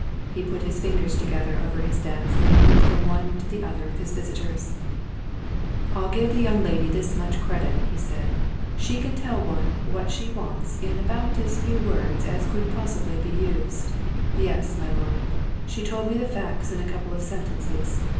He put his fingers together over his desk and looked from one to the other of his visitors. "I'll give the young lady this much credit," he said. "She can tell one what she wants in about as few words as could possibly be used! Yes, my lord she told me the facts in a couple of sentences.